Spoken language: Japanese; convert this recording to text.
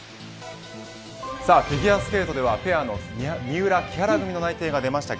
フィギュアスケートではペアの三浦・木原組の内定が出ました。